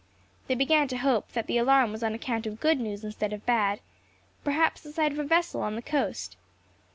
They began to hope that the alarm was on account of good news instead of bad perhaps the sight of a vessel on the coast.